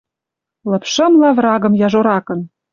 Лыпшымла врагым яжоракын.